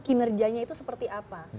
kinerjanya itu seperti apa